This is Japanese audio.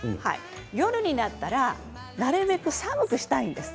夜になったらなるべく寒くしたいんです。